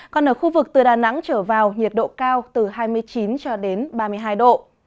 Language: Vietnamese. còn ở khu vực từ đà nẵng trở vào nhiệt độ cao từ hai mươi chín cho đến ba mươi hai độ